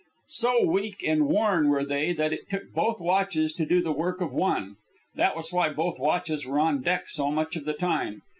So weak and worn were they that it took both watches to do the work of one. That was why both watches were on deck so much of the time.